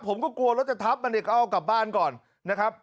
ผมก็กลัวรถจะทับมันเด็กเอากลับบ้านก่อนนะครับ